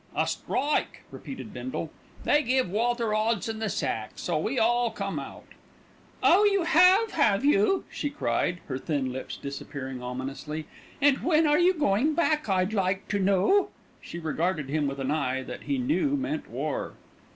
"A strike," repeated Bindle. "They give Walter 'Odson the sack, so we all come out." "Oh! you have, have you?" she cried, her thin lips disappearing ominously. "And when are you going back, I'd like to know?" She regarded him with an eye that he knew meant war.